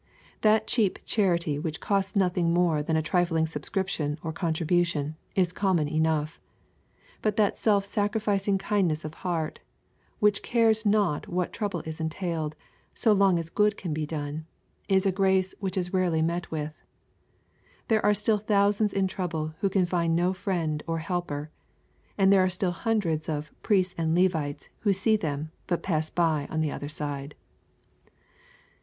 That cheap charity which costs nothing more than a trifling subscription or contribution, is common enough. But that self sacrificing kindness of heart, which cares not what trouble is entailed, so long as good can be done, is a grace which is rarely met with. There are still thousands in trouble who can find no friend or helper And there are still hundreds of " priests and Levites" who see them, but " pass by on the other side."